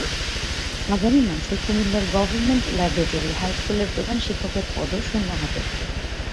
আগামী মাসে কুমিল্লার গভর্নমেন্ট ল্যাবরেটরি হাই স্কুলের প্রধান শিক্ষকের পদও শূন্য হবে।